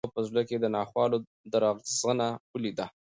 هغه په زړه کې د ناخوالو درغځنه ولیده.